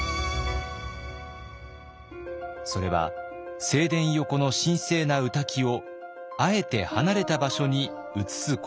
それは正殿横の神聖な御嶽をあえて離れた場所に移すことでした。